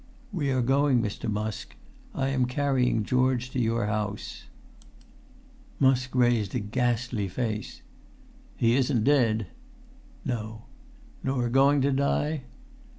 "We are going, Mr. Musk. I am carrying Georgie to your house." Musk raised a ghastly face. "He isn't dead?" "No." "Nor going to die?"